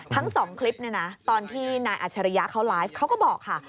ทั้งสองคลิปตอนที่นายอัจฉริยาเขาไลฟ์เขาก็บอกค่ะ